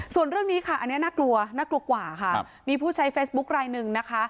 ส่วนเรื่องนี้ค่ะอันนี้น่ากลัวน่ากลัวกว่าค่ะมีผู้ใช้เฟซบุ๊คลายหนึ่งนะคะ